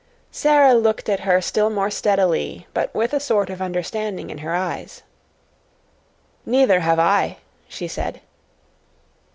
Sara looked at her still more steadily, but with a sort of understanding in her eyes. "Neither have I," she said.